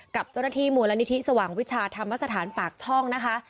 กับเจ้าหน้าที่มูลนิธิสว่างวิชาธรรมสถานปากช่องนะคะ